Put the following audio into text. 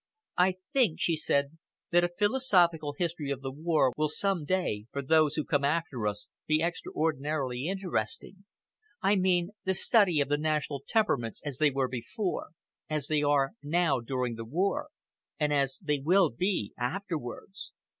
"I think," she said, "that a philosophical history of the war will some day, for those who come after us, be extraordinarily interesting. I mean the study of the national temperaments as they were before, as they are now during the war, and as they will be afterwards.